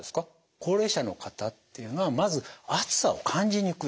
高齢者の方っていうのはまず暑さを感じにくい。